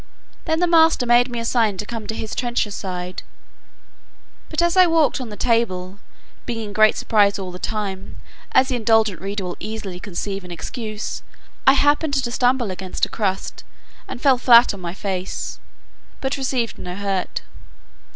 Then the master made me a sign to come to his trencher side; but as I walked on the table, being in great surprise all the time, as the indulgent reader will easily conceive and excuse, I happened to stumble against a crust, and fell flat on my face, but received no hurt.